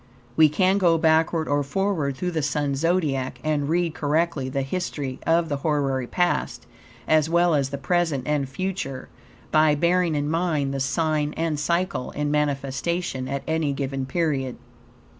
We can go backward or forward through the Sun's Zodiac and read correctly the history of the hoary past, as well as the present and future, by bearing in mind the sign and cycle in manifestation at any given period.